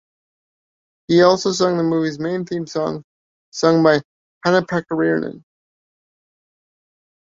He also wrote the movie's main theme song, sung by Hanna Pakarinen.